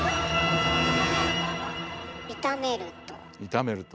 炒めると。